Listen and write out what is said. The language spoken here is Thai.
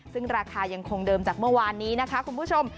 ซึ่งราคายังคงเดิมจากเมื่อวานนี้นะคะคุณผู้ชม